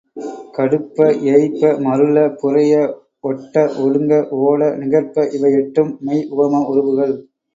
கடுப்ப, ஏய்ப்ப, மருள, புரைய, ஒட்ட, ஒடுங்க, ஓட, நிகர்ப்ப இவை எட்டும் மெய் உவம உருபுகள்.